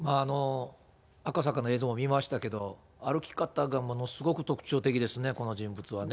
赤坂の映像も見ましたけれども、歩き方がものすごく特徴的ですね、この人物はね。